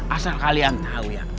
asal kalian tau ya